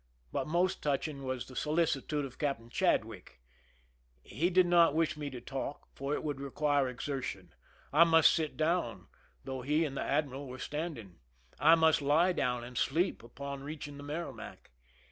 But most touching was the solicitude of Captain Chad^dck. He did not wish me to talk, for it would require exertion. I must sit down, though he and the admiral were standing. I must lie down and sleep upon reaching the Merrimac.